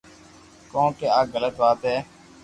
ڪون ڪي آ غلط وات ھي